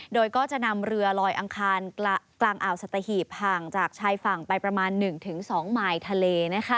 โดยก็จะนำเรือลอยอังคารกลางอ่าวสัตหีบห่างจากชายฝั่งไปประมาณ๑๒มายทะเล